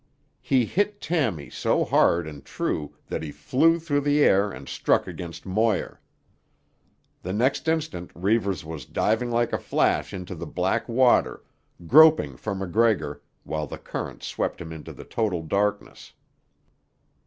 He hit Tammy so hard and true that he flew through the air and struck against Moir. The next instant Reivers was diving like a flash into the black water, groping for MacGregor, while the current swept him into the total darkness.